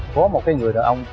có một người đàn ông